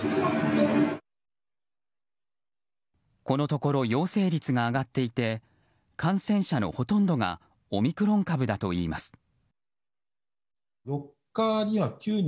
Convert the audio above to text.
このところ陽性率が上がっていて感染者のほとんどがオミクロン株だといいます。